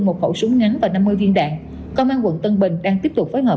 một khẩu súng ngắn và năm mươi viên đạn công an quận tân bình đang tiếp tục phối hợp